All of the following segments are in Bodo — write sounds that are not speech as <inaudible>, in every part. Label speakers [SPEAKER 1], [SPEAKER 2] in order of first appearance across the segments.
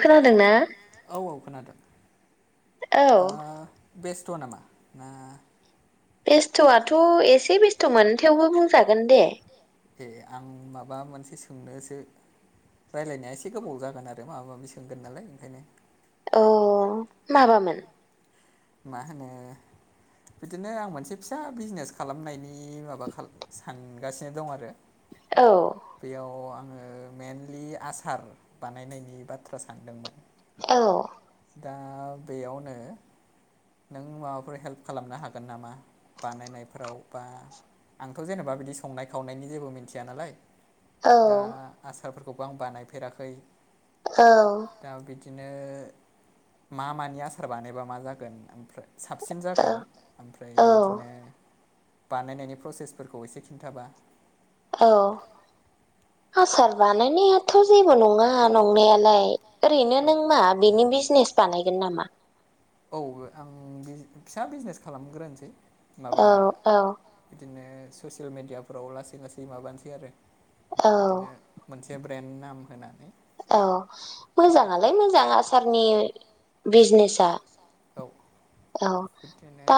[SPEAKER 1] खोनादों ना?
[SPEAKER 2] औ औ खोनादों बेस्थ' नामा ना?
[SPEAKER 1] बेस्थ'आथ' एसे बेस्थ' मोनो थेवबो बुंजागोन दे।
[SPEAKER 2] ए आं माबा मोनसे सोंनोसो रायज्लायनाया एसे गोबाव जागोन आरो माबा माबि सोंगोन नालाय ओंखायनो
[SPEAKER 1] अ माबामोन
[SPEAKER 2] मा होनो बिदिनो आं मोनसे फिसा बिजनेस खालामनायनि माबा सानगासिनो दं आरो बेयाव आं मेइेनलि आसार बानायनायनि बाथ्रा सानदोंमोन।
[SPEAKER 1] औ
[SPEAKER 2] दा बेयावनो नों माबाफोर हेल्प खालामनो हागोन नामा बानायनायफोराव बा आंथ' जेनेबा बिदि संनाय खावनायनि जेबो मिथिया नालाय। दा आसारफोरखौबो आं बानायफेराखै
[SPEAKER 1] औ
[SPEAKER 2] बिदिनो मा मानि आसार बानायबा मा जागोन ओमफ्राय साबसिन जागोन ओमफ्राय बिदिनो बानायनायनि प्रसेसफोरखौ एसे खिन्थाबा
[SPEAKER 1] औ आसार बानायनायाथ' जेबो नङा नंनायालाय ओरैनो नों मा बिनि बिजनेस बानायगोन नामा?
[SPEAKER 2] औ आं फिसा बिजनेस खालामग्रोनोसै माबा बिदिनो ससियेल मेडियाफ्राव लासै लासै माबानोसै आरो बिदिनो मोनसे ब्रेन्ड नाम होनानै
[SPEAKER 1] औ मोजाङालाय मोजां आसारनि बिजनेसा
[SPEAKER 2] औ बिबदिनो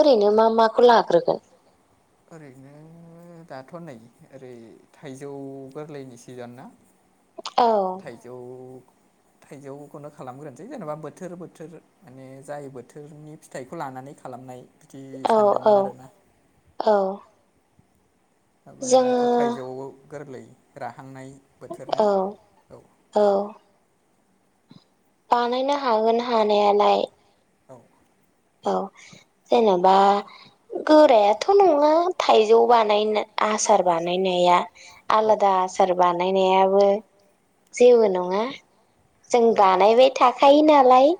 [SPEAKER 1] ओरैनो मा माखौ लाग्रोगोन
[SPEAKER 2] ओरैनो दाथ' नै ओरै थाइजौ गोरलैनि सिजोन ना थाइजौ थाइजौखौनो खालामग्रोनोसै जेनेबा बोथोर बोथोर माने जाय बोथोरनि फिथाइखौ लानानै खालामनाय
[SPEAKER 1] औ औ औ
[SPEAKER 2] माबा दाथ' थाइजौबो गोरलै रा थांनाय बोथोर ना औ
[SPEAKER 1] बानायनो हागोन हानायालाय
[SPEAKER 2] औ
[SPEAKER 1] औ जेनेबा गोरायाथ' नङा थाइजौ बानाय आसार बानायनाया आलादा आसार बानायनायाबो जेबो नङा जों बानायबाय थाखायो नालाय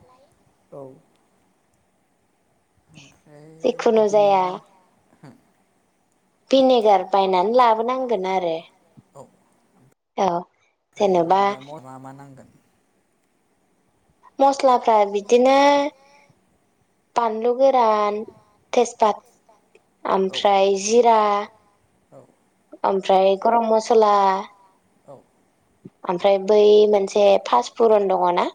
[SPEAKER 2] औ <inaudible>
[SPEAKER 1] जिखुनु जाया
[SPEAKER 2] हा
[SPEAKER 1] भिनेगार बायनानै लाबोनांगोन आरो औ जेनेबा मसलाफ्रा बिदिनो बानलुगोरान तेजपात ओमफ्राय जिरा ओमफ्राय गरम मसला
[SPEAKER 2] औ
[SPEAKER 1] ओमफ्राय बै मोनसे फासफुरन दङ ना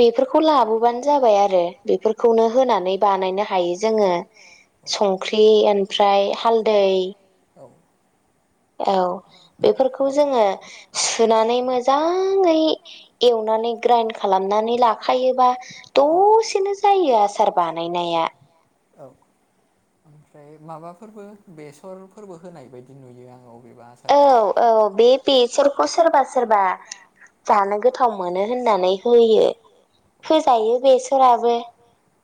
[SPEAKER 1] बेफोरखौ लाबोबानो जाबाय आरो बेफोरखौनो होनानै बानायनो हायो जोङो संख्रि ओमफ्राय हालदै औ बेफोरखौ जोङो सुनानै मोजाङै एव नानै ग्रेन खालामनानै लाखायोबा दसेनो जायो आसार बानायनाया
[SPEAKER 2] औ ओमफ्राय माबाफोरबो बेसरफोरबो होनाय बायदि नुयो आं औ
[SPEAKER 1] औ औ बे बेसोरखौ सोरबा सोरबा जानो गोथाव मोनो होननानै होयो होजायो बेसराबो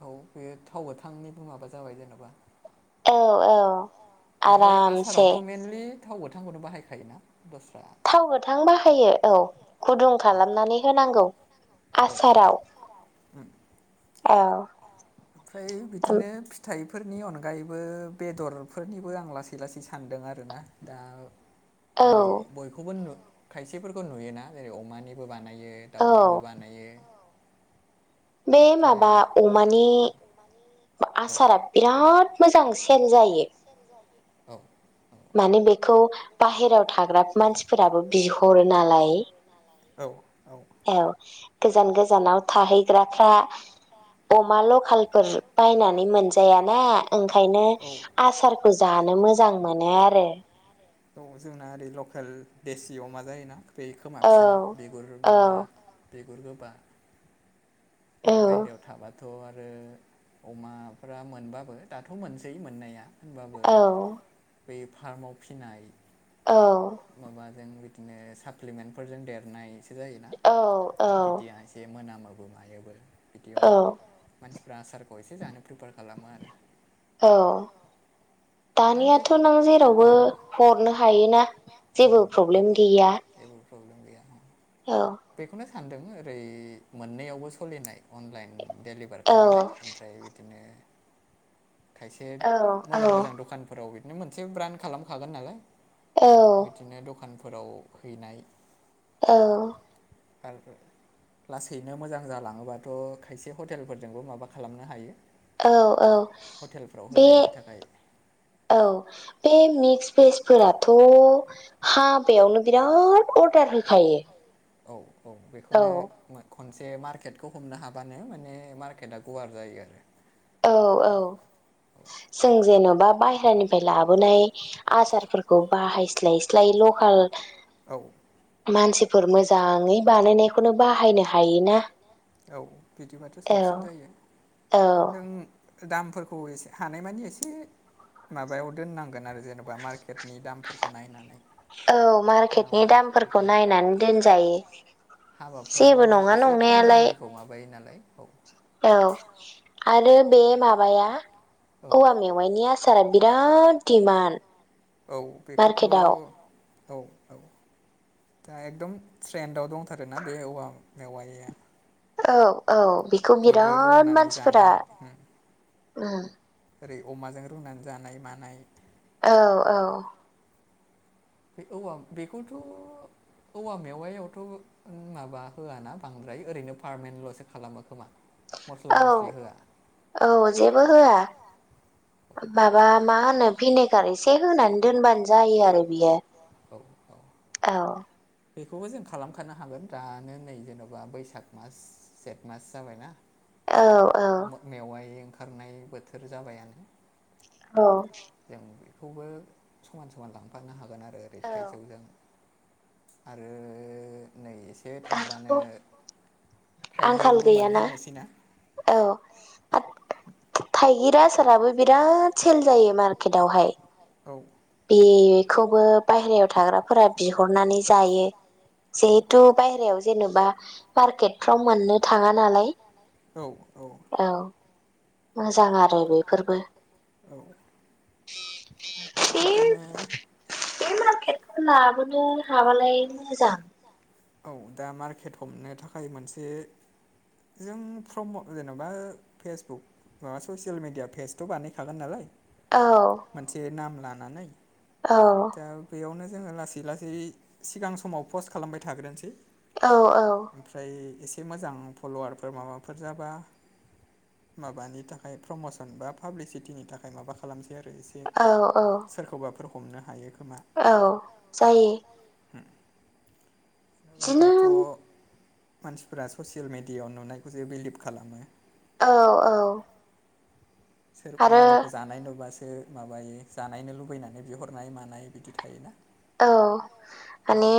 [SPEAKER 2] औ बे थाव गोथांनिबो माबा जाबाय जेन'बा
[SPEAKER 1] औ औ आरामसे
[SPEAKER 2] थाव गोथांखौनो बाहायखायोना
[SPEAKER 1] थाव गोथां बाहायो औ गुदुं खालामनानै होनांगौ आसाराव औ
[SPEAKER 2] ओमफ्राय बिदिनो फिथाइ फोरनि अनगायैबो बेदरफोरनिबो आं लासै लासै सानदों आरोना दा ओरै बयखौबो खायसेफोरखौ नुयोना जेरै अमानिबो बानायो दाउनिबो बानायो
[SPEAKER 1] बे माबा अमानि आसारा बिराद मोजां सेन जायो
[SPEAKER 2] औ
[SPEAKER 1] माने बेखौ बाहेराव थागोन बिराद मानसिफोराबो बिहरो नालाय औ गोजान गोजानाव थाहैग्राफ्रा अमा लकेलफोर बायनानै मोनजाया ना ओंखायनो आसारखौ जानो मोजां मोनो आरो
[SPEAKER 2] जोंना ओरै लकेल देसि अमा जायोना बे खोमा फिसा बेगुर माबा बेगुर गोबा बाहेराव थाबा थ' आरो अमाफ्रा मोनबाबो दाथ' मोनसै मोननाया होनबाबो बै फार्माव फिनाय माबाजों बिदिनो साप्लिमेन्टफोरजों देरनाय जायोना बिदिया एसे मोनामोबो मायोबो बिदियाव मानसि आसारखौ एसे जानो प्रिफार खालामो आरो
[SPEAKER 1] औ दानियाथ' नों जेरावबो हरनो हायोना जेबो प्रब्लेम गैया
[SPEAKER 2] प्रब्लेम गैया
[SPEAKER 1] औ
[SPEAKER 2] सानदों ओरै मोननैयावबो सोलिनाय अनलाइन डेलिभार खालामनाय ओमफ्राय बिदिनो खायसे मोजां मोजां दखानफोराव बिदिनो मोनसे ब्रान्ड खालामखागोन नालाय बिदिनो दखानफोराव हैनाय
[SPEAKER 1] औ
[SPEAKER 2] आरो लासैनो मोजां जालाङोबाथ' खायसे हटेलफोरजोंबो माबा खालामनो हायो
[SPEAKER 1] औ औ बे औ बे मिक्स भेसफोराथ' हाबायावनो बिराद अर्दार होखायो
[SPEAKER 2] औ औ बेखौनो खनसे मार्केटखौ हमनो हाबानो माने मार्केटआ गुवार जायो आरो
[SPEAKER 1] औ औ जों जेन'बा बाहेरानिफ्राय लाबोनाय आसारफोरखौ बाहायस्लाय स्लाय लकेल मानसिफोर मोजाङै बानायनायखौनो बाहायनो हायोना औ औ
[SPEAKER 2] दामफोरखौ एसे हानायमानि एसे माबायाव दोननांगोन आरो जेनेबा मार्केटनि दामफोरखौ नायनानै
[SPEAKER 1] औ मार्केटनि दामफोरखौ नायनानै दोनजायो
[SPEAKER 2] हाबाफ्राव एसे खम दामनिखौ माबायो नालाय औ
[SPEAKER 1] औ आरो बे माबाया औवा मेवाइनि आसारा बिराद दिडमान्ड
[SPEAKER 2] औ बेखौथ' औ औ दा एकदम ट्रेन्डाव दंथारोना बे औवा मेवाइया
[SPEAKER 1] औ औ बेखौ बिराद मानसिफोरा
[SPEAKER 2] ओरै अमाजों रोंनानै जानाय मानाय
[SPEAKER 1] औ औ
[SPEAKER 2] औवा बेखौथ' औवा मेवायावथ' माबा होआना बांद्राय ओरैनो पारमानेन्टल'सो खालामो खोमा।
[SPEAKER 1] औ औ जेबो होआ माबा मा होनो भिनेगार एसे होनानै दोनबानो जायो आरो बियो औ
[SPEAKER 2] बेखौबो जों खालामखानो हागोन दानो नै जेन'बा बैसाग मास जेत मास जाबायना मेवाय ओंखारनाय बोथोर जाबायानो
[SPEAKER 1] औ
[SPEAKER 2] बेखौबो समान समान लांफानो हागोन आरो ओरै थाइजौजों आरो नै एसे थांबानो
[SPEAKER 1] आंखाल गैयाना औ थाइगिर आसाराबो बिराद सेल जायो मार्केटवहाय बेखौबो बायेरायाव थाग्राफोरा बिहरनानै जायो। जिहेथु बाय्रायाव जेनेबा मार्केट फाव मोननो थाङा नालाय। औ मोजां आरो बेफोरबो
[SPEAKER 2] औ बिदिनो
[SPEAKER 1] लाबोनो हाबालाय मोजां
[SPEAKER 2] औ दा मार्केट हमनो थाखाय मोनसे जों फम जेन'बा फेसबुक माबा ससियेल मिेडिया पेजथ' बानायखागोन नालाय। मोनसे नाम लानानै दा बेयावनो जोङो लासै लासै सिगां समाव पस्ट खालामबाय थाग्रोनोसै। ओमफ्राय एसे मोजां फल'वारफोर माबाफोर जाबा माबानि थाखाय प्रमसन बा पाब्लिसिटिनि थाखाय माबा खालामस आरो एसे सोरखौबाफोर हमनो हायो।
[SPEAKER 1] औ जायो।
[SPEAKER 2] ब दाथ' मानसिफोरा ससियेल मिेडियाायाव नुनायखौसो बिलिभ खालामो।
[SPEAKER 1] औ औ
[SPEAKER 2] सोर मालायखौ जानाय नङाबा माबायो जानायनो लुबैनानै बिहरनाय मानाय बिदि थायोना।
[SPEAKER 1] औ माने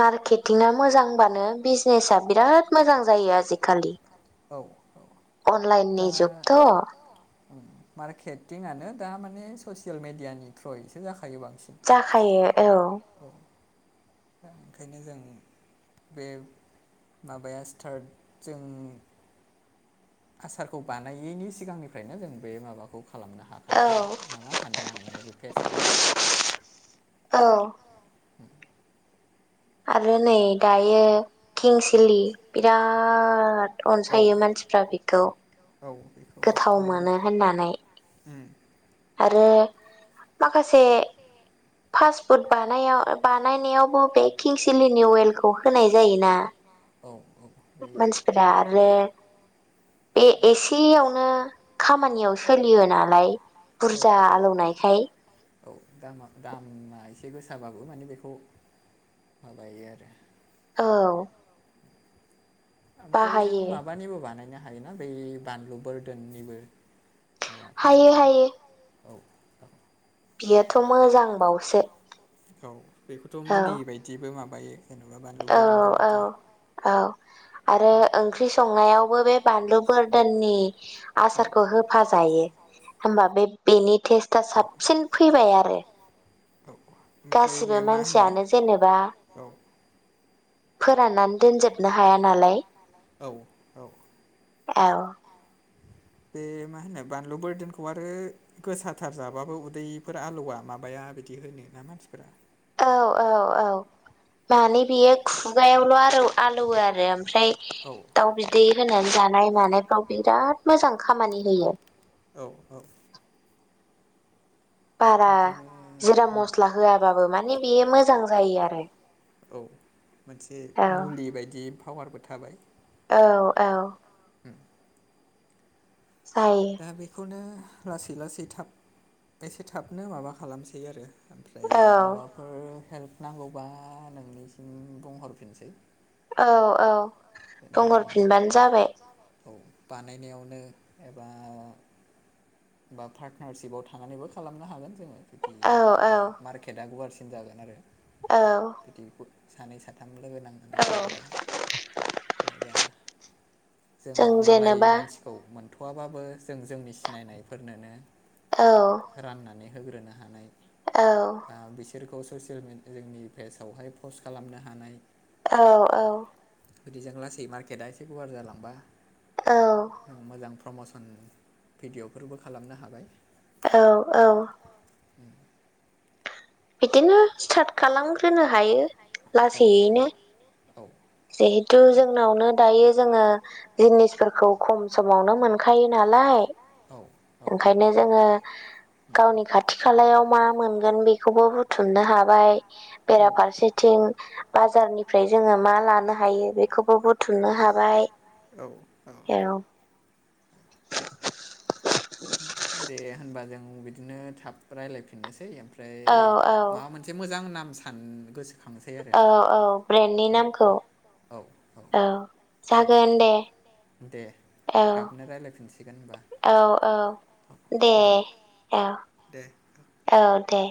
[SPEAKER 1] मारकेटिं मोजांबानो बिजनेसा बिराद मोजां जायो आजिखालि
[SPEAKER 2] औ औ दा मार्केटिंआनो दा माने ससियेल मिडियानि थ्रुयैसो जाख
[SPEAKER 1] जाखायो औ।
[SPEAKER 2] दा ओंखायनो जों बे माबाया स्टार्ट जों आसारखौ बानायैनि सिगांनिफ्रायनो जों बे माबाखौ खालामनो हाखासिगोन ना मा सानदों आं माने बे फेसखौहाय ओ
[SPEAKER 1] आरो नै दायो किंसिलि बिराद अनसायो मानसिफ्रा बेखौ गोथाव मोनो होननानै आरो माखासे फास्टफुडानाय बानायनायावबो बे किंसिलिनि वेलखौ होनाय जायोना। मानसिपारी आरो आरो बे एसेयावनो खामानियाव सोलियो नालाय। बुरजा हलौनायखाय
[SPEAKER 2] औ दामा दामा एसे गोसाबाबो माने बेखौ माबायो आरो
[SPEAKER 1] औ
[SPEAKER 2] ओमफ्राय जों माबानिबो बानायनो हायोना बै बानलु बोरदोननिबो
[SPEAKER 1] हायो हायो
[SPEAKER 2] औ
[SPEAKER 1] बियोथ' मोजांबावसो
[SPEAKER 2] औ बेखौथ' मुलि बायदिबो माबायो
[SPEAKER 1] औ औ औ आरो ओंख्रि संनायावबो बे बानलु बोरदोननि आसारखौ होफ जायो हबा बेनि टेस्टा साबसिन फैबाय आरो गासिबो मानसियानो जेनेबा फोराननानै दोनजोबनो हाया नालाय औ
[SPEAKER 2] बे मा होनो बानलु बोरदनखौ आरो गोसाथार जाबाबो उदैफोर आलौा माबाया मा बिदि होनो ना मानसिफोरा
[SPEAKER 1] औ औ औ मानिे बेयो खुगायावल' आरो आलौवो आरो ओमफ्राय दाउ बिदै होनानै जानाय मानायफ्राव बिराद मोजां खामानि होयो
[SPEAKER 2] औ औ
[SPEAKER 1] बारा जिरा मस्ला होआाबाबो माने बेयो मोजां जायो आरो
[SPEAKER 2] औ मोनसे मुलि बायदि पावारबो थाबाय
[SPEAKER 1] औ औ
[SPEAKER 2] म दा बेखौनो लासै लासै थाब एसे थाबनो माबा खालामसै आरो ओमफ्राय माबाफोर हेल्प नांगौबा नोंनिसिम बुंहरफिनसै
[SPEAKER 1] औ औ बुंहरफिनबानो जाबाय
[SPEAKER 2] औ बानायनायावनो एबा बा पार्टनारशिपाव थांनानैबो खालामनो हागोन जोङो बिदिबाबो मार्केटआ गुवारसिन जागोन आरो बिदि सानै साथाम
[SPEAKER 1] औ
[SPEAKER 2] बा जों मालाय मानसिखौ मोनथ' थवाबाबो जों जोंनि सिनायनायफोरनोनो
[SPEAKER 1] औ
[SPEAKER 2] होग्रोनो हानाय बिसोरखौ ससियेलडिया जोंनि पेजावहाय पस्ट खालामनो हानाय
[SPEAKER 1] औ औ
[SPEAKER 2] बिदि ज लासै मार्केटआ एसे गुवार जालांबा जों मोजां प्रमसन भिडिअ'फोरबो खालामनो हाबाय
[SPEAKER 1] औ औ
[SPEAKER 2] उ
[SPEAKER 1] बिदिनो स्टार्ट खालामग्रोनो हायो लासैयैनो जिहेथु जोंनावनो दायो जोङो जिनिसफोरखौ खम समावनो मोनखायो नालाय ओंखायनो जोङो गावनि खाथि खालायाव मा मोनगोन बेखौबो बुथुमनो हाबाय बेराफारसेथिं जों बाजारनिफ्राय जोङो मा लानो हायो बेखौबो बुथुमनो हाबाय
[SPEAKER 2] औ
[SPEAKER 1] हेराव
[SPEAKER 2] आं बिदिनो थाब रायज्लायफिननोसै ओमफ्राय माबा मोनसे मोजां नाम सान गोसो
[SPEAKER 1] औ औ ब्रेन्डनि नामखौ औ जागोन दे
[SPEAKER 2] दे थाबनो राय्लायफिनसिगोन होनबा
[SPEAKER 1] दे औ औ दे